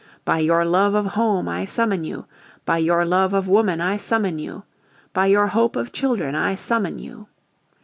By your love of home I summon you! By your love of woman I summon you! By your hope of children I summon you!